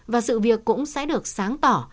và sự việc cũng sẽ được sáng tỏ